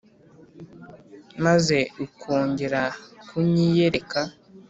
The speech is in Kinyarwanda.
maze ukongera kunyiyereka,